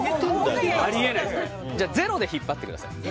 ゼロでひっぱってください。